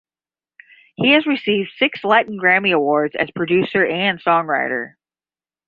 He has received six Latin Grammy Awards as producer and songwriter.